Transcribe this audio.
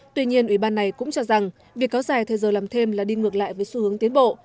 tuy nhiên ủy ban này cũng cho rằng việc kéo dài thời giờ làm thêm là đi ngược lại với xu hướng tiến bộ